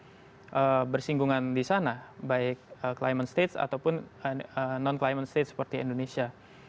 jadi itu adalah peringkungan di sana baik climate state ataupun non climate state seperti indonesia